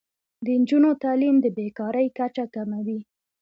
د نجونو تعلیم د بې کارۍ کچه کموي.